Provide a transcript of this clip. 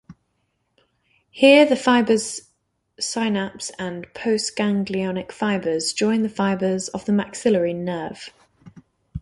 Here, the fibers synapse and postganglionic fibers join the fibers of the maxillary nerve.